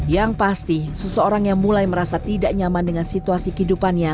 yang pasti seseorang yang mulai merasa tidak nyaman dengan situasi kehidupannya